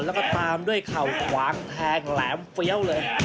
แล้วก็ตามด้วยเข่าขวางแทงแหลมเฟี้ยวเลย